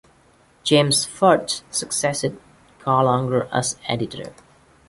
James Fudge succeeded Gallagher as editor.